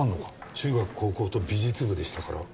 中学高校と美術部でしたから。